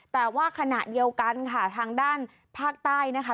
แต่ว่าขณะเดียวกันค่ะทางด้านภาคใต้นะคะ